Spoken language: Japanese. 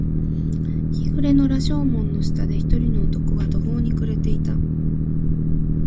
日暮れの羅生門の下で、一人の男が途方に暮れていた。